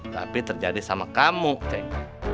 tapi terjadi sama kamu teng